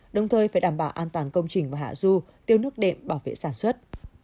đồng thời phải đảm bảo an toàn công trình và hạ du tiêu nước đệm bảo vệ sản xuất